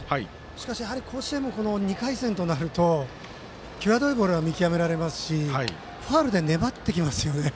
しかし、甲子園の２回戦となると際どいボールは見極められますしファウルで粘ってきますよね。